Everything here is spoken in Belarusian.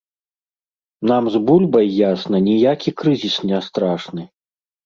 Нам з бульбай, ясна, ніякі крызіс не страшны.